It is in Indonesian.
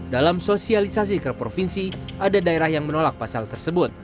dalam sosialisasi ke provinsi ada daerah yang menolak pasal tersebut